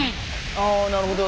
あなるほど。